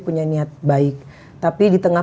punya niat baik tapi di tengah